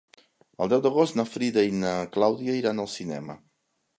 El deu d'agost na Frida i na Clàudia iran al cinema.